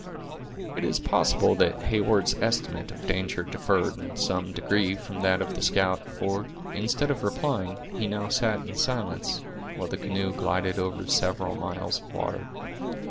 It is possible that Heyward's estimate of danger differed in some degree from that of the scout, for, instead of replying, he now sat in silence, while the canoe glided over several miles of water.